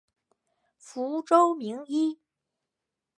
福州名医。